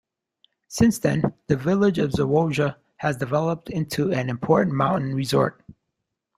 Since then the village of Zawoja has developed into an important mountain resort.